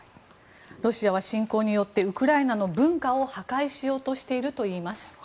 ロシアは侵攻によってウクライナの文化を破壊しようとしているといいます。